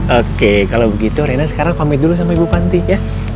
oke kalau begitu rena sekarang komit dulu sama ibu panti ya